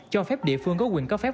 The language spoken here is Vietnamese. cho phép địa phương có quyền có phép